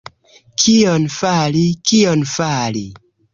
Kion fari, kion fari?